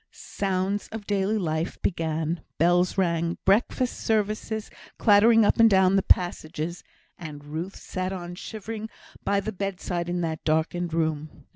Sounds of daily life began, bells rang, breakfast services clattered up and down the passages, and Ruth sat on shivering by the bedside in that darkened room.